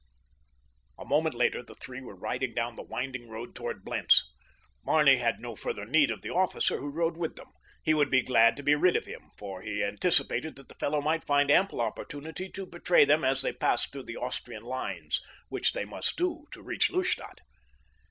A moment later the three were riding down the winding road toward Blentz. Barney had no further need of the officer who rode with them. He would be glad to be rid of him, for he anticipated that the fellow might find ample opportunity to betray them as they passed through the Austrian lines, which they must do to reach Lustadt.